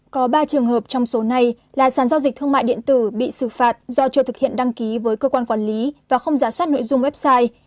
có ba trường hợp trong số này là sản giao dịch thương mại điện tử bị xử phạt do chưa thực hiện đăng ký với cơ quan quản lý và không giả soát nội dung website